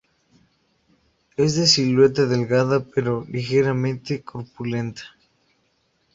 Es de silueta delgada, pero ligeramente corpulenta.